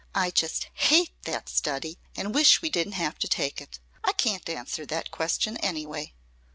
"I just HATE that study, and wish we didn't have to take it! I can't answer that question, anyway."